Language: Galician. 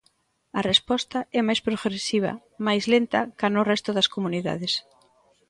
A resposta é máis progresiva, máis lenta ca no resto das comunidades.